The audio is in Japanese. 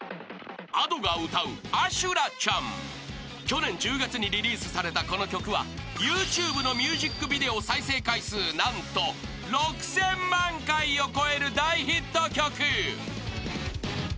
［去年１０月にリリースされたこの曲はＹｏｕＴｕｂｅのミュージックビデオ再生回数何と６，０００万回を超える大ヒット曲］